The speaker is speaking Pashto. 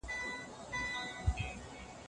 ایا خاوند او مېرمن بايد د مقابل لوري کړنې وزغمي؟